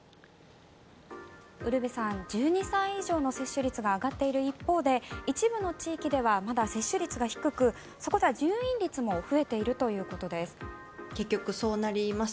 ウルヴェさん１２歳以上の接種率が上がっている一方で一部の地域ではまだ接種率が低くそこでは入院率も増えているということです。